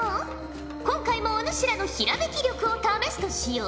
今回もお主らのひらめき力を試すとしよう。